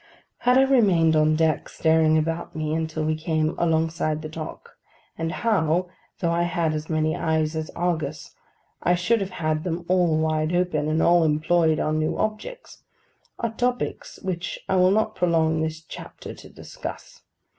How I remained on deck, staring about me, until we came alongside the dock, and how, though I had had as many eyes as Argus, I should have had them all wide open, and all employed on new objects—are topics which I will not prolong this chapter to discuss.